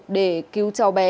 để cứu cháu bé